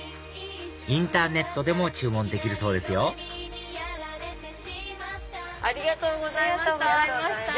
インターネットでも注文できるそうですよありがとうございました。